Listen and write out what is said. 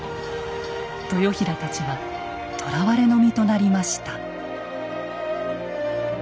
豊平たちは捕らわれの身となりました。